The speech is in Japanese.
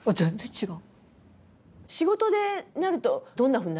違う！